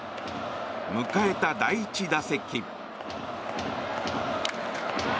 迎えた第１打席。